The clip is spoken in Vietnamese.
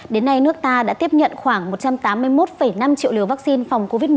đến nay nước ta đã tiếp nhận khoảng một trăm tám mươi một năm triệu liều vaccine phòng covid một mươi chín